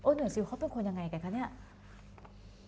หน่วยซิลเขาเป็นคนยังไงกันคะเนี่ย